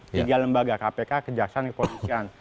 tiga lembaga kpk kejaksaan kepolisian